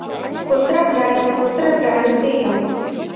Поздравляю, поздравляю тыйым.